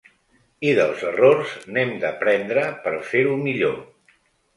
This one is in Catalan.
I dels errors n’hem d’aprendre, per fer-ho millor.